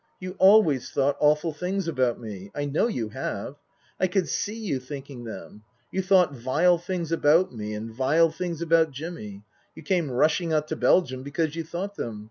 You always thought awful things about me. I know you have. I could see you thinking them. You thought vile things about me, and vile things about Jimmy. You came rushing out to Belgium because you thought them.